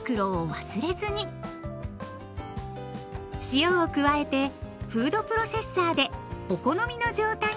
塩を加えてフードプロセッサーでお好みの状態までかくはんします。